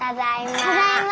ただいま。